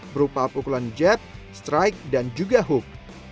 berupa pukulan jet strike dan juga hook